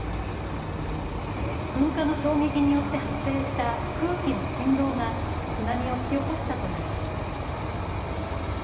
噴火の衝撃によって発生した空気の振動が津波を引き起こしたといいます。